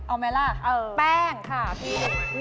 อ้าวแล้ว๓อย่างนี้แบบไหนราคาถูกที่สุด